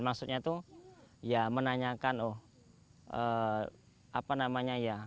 maksudnya itu ya menanyakan oh apa namanya ya